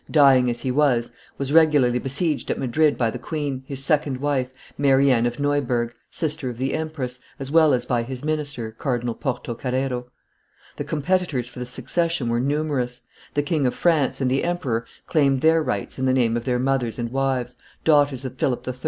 dying as he was, was regularly besieged at Madrid by the queen, his second wife, Mary Anne of Neuburg, sister of the empress, as well as by his minister, Cardinal Porto Carrero. The competitors for the succession were numerous; the King of France and the emperor claimed their rights in the name of their mothers and wives, daughters of Philip III.